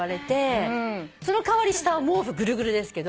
その代わり下は毛布ぐるぐるですけど。